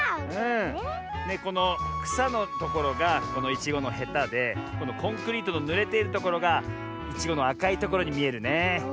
このくさのところがいちごのへたでこのコンクリートのぬれているところがいちごのあかいところにみえるね。